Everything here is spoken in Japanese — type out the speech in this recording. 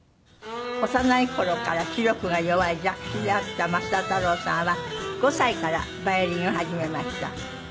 幼い頃から視力が弱い弱視であった増田太郎さんは５歳からヴァイオリンを始めました。